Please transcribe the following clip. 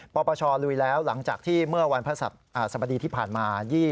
ปปชลุยแล้วหลังจากที่เมื่อวันพระสบดีที่ผ่านมา